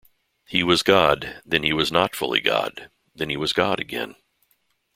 He was God, then he was not fully God, then he was God again.